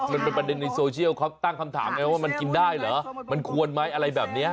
มันเป็นประเด็นในโซเชียลเขาตั้งคำถามไงว่ามันกินได้เหรอมันควรไหมอะไรแบบนี้